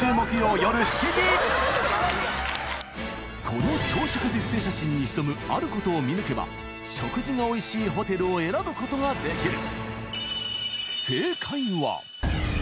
［この朝食ビュッフェ写真に潜むあることを見抜けば食事がおいしいホテルを選ぶことができる］